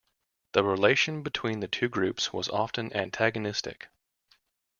The relation between the two groups was often antagonistic.